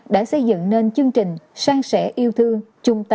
đã xây dựng nên chương trình sang sẻ yêu thương chung